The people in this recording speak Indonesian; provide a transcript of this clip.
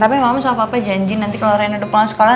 tapi mama sama papa janji nanti kalau reno udah pulang sekolah